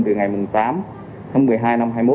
từ ngày tám tháng một mươi hai năm hai mươi một